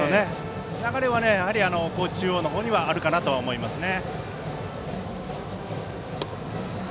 流れは高知中央の方にはあるかなと思いますね。